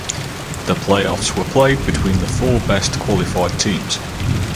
The playoffs were played between the four best qualified teams.